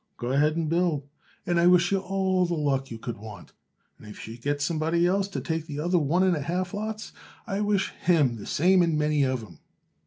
"Go ahead and build, and I wish you all the luck you could want; and if you should get somebody else to take the other one and a half lots, I wish him the same and many of 'em.